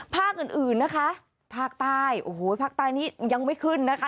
ภาคอื่นอื่นนะคะภาคใต้โอ้โหภาคใต้นี้ยังไม่ขึ้นนะคะ